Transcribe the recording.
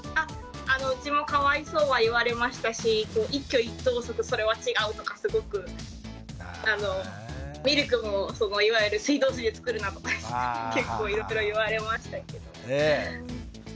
うちもかわいそうは言われましたし一挙手一投足それは違うとかすごくミルクもそのいわゆる水道水で作るなとか結構いろいろ言われましたけど。